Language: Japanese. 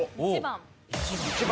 １番。